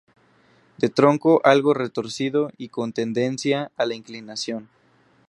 De tronco algo retorcido y con tendencia a la inclinación.